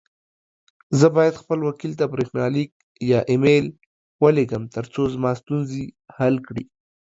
زه بايد خپل وکيل ته بريښناليک يا اى ميل وليږم، ترڅو زما ستونزي حل کړې.